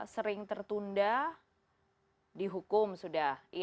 sering tertunda dihukum sudah